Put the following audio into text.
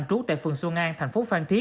truyền thông tin